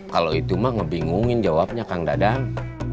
kalau itu mah ngebingungin jawabnya kang dadang